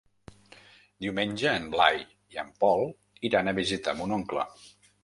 Diumenge en Blai i en Pol iran a visitar mon oncle.